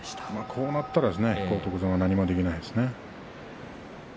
こうなったら荒篤山は何もできないですね。